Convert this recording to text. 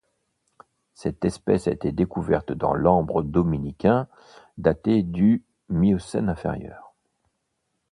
Cette espèce a été découverte dans l'ambre dominicain, daté du Miocène inférieur.